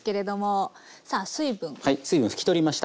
水分拭き取りました。